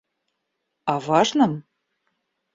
О важном?